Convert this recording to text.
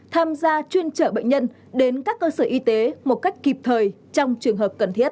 tham gia chuyên trở bệnh nhân đến các cơ sở y tế một cách kịp thời trong trường hợp cần thiết